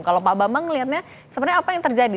kalau pak bambang melihatnya sebenarnya apa yang terjadi